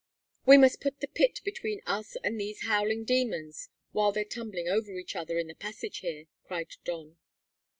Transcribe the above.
"We must put the pit between us and these howling demons while they're tumbling over each other in the passage here," cried Don.